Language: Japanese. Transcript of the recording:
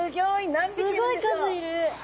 すごい数いる。